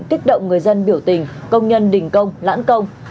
kích động người dân biểu tình công nhân đỉnh công lãn công